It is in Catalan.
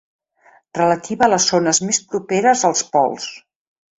Relativa a les zones més properes als pols.